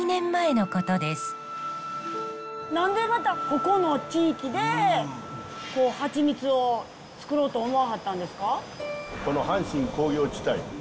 何でまたここの地域で蜂蜜を作ろうと思わはったんですか？